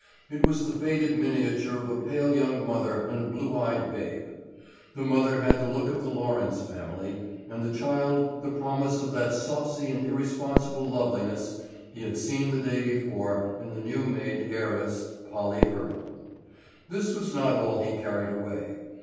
It was the faded miniature of a pale young mother and a blue eyed babe. The mother had the look of the Lawrence family, and the child the promise of that saucy and irresponsible loveliness he had seen the day before in the new made heiress, Polly Earle. This was not all he carried away.